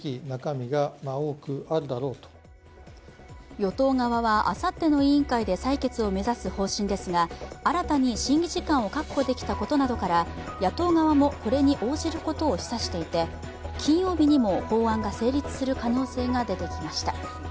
与党側は、あさっての委員会で採決を目指す方針ですが新たに審議時間を確保できたことなどから野党側もこれに応じることを示唆していて、金曜日にも法案が成立する可能性が出てきました。